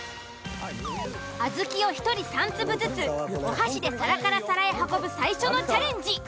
小豆を１人３粒ずつお箸で皿から皿へ運ぶ最初のチャレンジ。